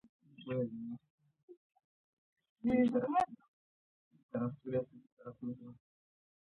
ازادي راډیو د د اوبو منابع پر وړاندې یوه مباحثه چمتو کړې.